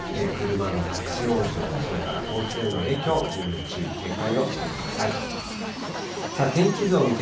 車の立往生、それから交通への影響、十分注意、警戒をしてください。